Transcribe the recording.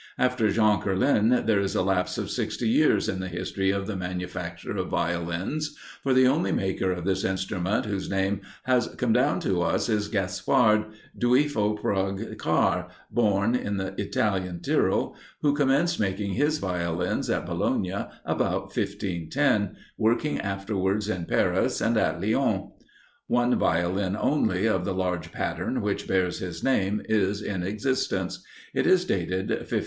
After Jean Kerlin, there is a lapse of sixty years in the history of the manufacture of Violins, for the only maker of this instrument whose name has come down to us is Gaspard Duiffoprugcar, born in the Italian Tyrol, who commenced making his Violins at Bologna about 1510, working afterwards in Paris, and at Lyons. One Violin only of the large pattern which bears his name is in existence; it is dated 1539.